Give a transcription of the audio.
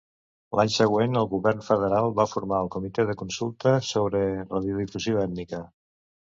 L'any següent, el Govern Federal va formar el Comitè de consulta sobre radiodifusió ètnica.